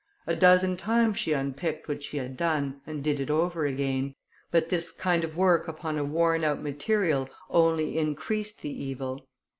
A dozen times she unpicked what she had done, and did it over again; but this kind of work upon a worn out material only increased the evil.